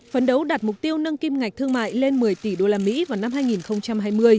phấn đấu đạt mục tiêu nâng kim ngạch thương mại lên một mươi tỷ usd vào năm hai nghìn hai mươi